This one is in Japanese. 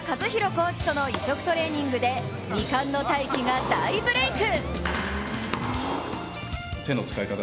コーチとの異色トレーニングで未完の大器が大ブレーク！